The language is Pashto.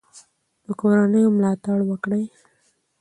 د کورنیو ملاتړ وکړئ.